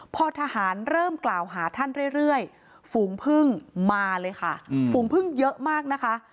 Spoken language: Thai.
พอทหารเริ่มกล่าวหาท่านเรื่อยฝูงพึ่งมาเลยค่ะฝูงพึ่งเยอะมากนะคะ